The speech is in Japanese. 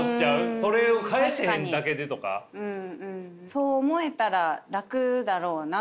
そう思えたら楽だろうな。